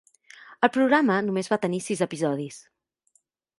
El programa només va tenir sis episodis.